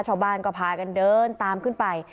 ชาวบ้านก็พากันเดินตามขึ้นไป